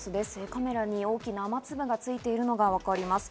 カメラに大きな雨粒がついているのがわかります。